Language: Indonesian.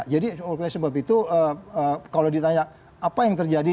jadi sebab itu kalau ditanya apa yang terjadi